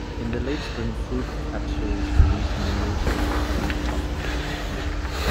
In late spring fruit capsules release numerous small cotton-tufted seeds.